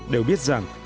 đều biết rằng